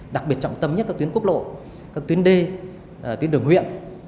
đặc biệt trọng tâm nhất các tuyến quốc lộ các tuyến đê tuyến đường huyện